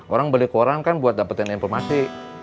orang beli koran kan buat dapetin informasi